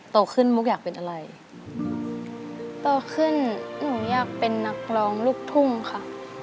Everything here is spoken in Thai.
โตขึ้นมุกอยากเป็นอะไรโตขึ้นหนูอยากเป็นนักร้องลูกทุ่งค่ะ